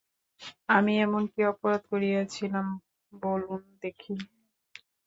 আমি এমন কী অপরাধ করিয়াছিলাম বলুন দেখি।